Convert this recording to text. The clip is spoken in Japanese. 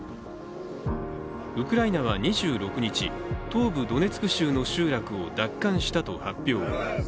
ウクライナは２６日、東部ドネツク州の集落を奪還したと発表。